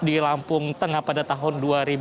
di lampung tengah pada tahun dua ribu tujuh belas